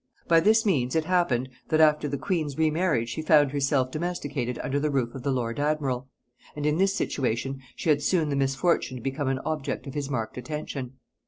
By this means it happened, that after the queen's remarriage she found herself domesticated under the roof of the lord admiral; and in this situation she had soon the misfortune to become an object of his marked attention.